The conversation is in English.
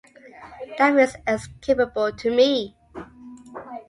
That feels escapable to me.